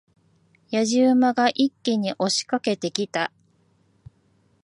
野次馬が一気に押し掛けてきた。